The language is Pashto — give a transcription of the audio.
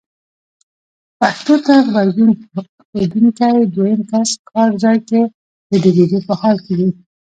پېښو ته غبرګون ښودونکی دویم کس کار ځای کې د ډوبېدو په حال وي.